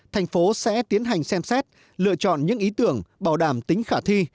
thành phố sẽ tiến hành xem xét lựa chọn những ý tưởng bảo đảm tính khả thi